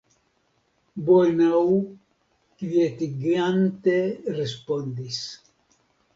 Bolnau kvietigante respondis.